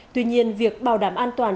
tuy nhiên việc bảo đảm an toàn